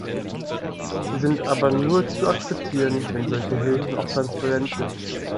Sie sind aber nur zu akzeptieren, wenn solche Hilfen auch transparent sind.